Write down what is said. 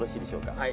はい。